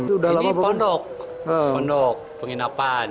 ini pondok pondok penginapan